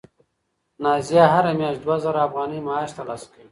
نازیه هره میاشت دوه زره افغانۍ معاش ترلاسه کوي.